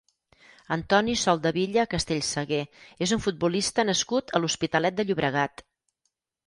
Antoni Soldevilla Castellsagué és un futbolista nascut a l'Hospitalet de Llobregat.